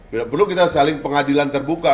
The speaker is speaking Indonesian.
tidak perlu kita saling pengadilan terbuka